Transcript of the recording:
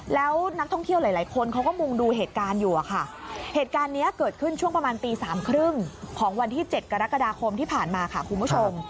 แล้วนักท่องเที่ยวหลายคนเขาก็มุงดูเหตุการณ์อยู่อะค่ะเหตุการณ์นี้เกิดขึ้นช่วงประมาณตีสามครึ่งของวันที่๗กรกฎาคมที่ผ่านมาค่ะคุณผู้ชม